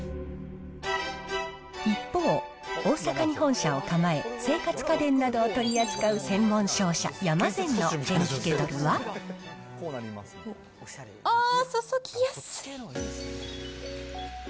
一方、大阪に本社を構え、生活家電などを取り扱う専門商社、あー、注ぎやすい！